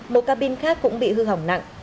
một cabin khác cũng bị hư hỏng nặng